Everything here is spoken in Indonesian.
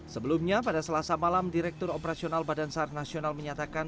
sebelumnya pada selasa malam direktur operasional badan sar nasional menyatakan